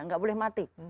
nggak boleh mati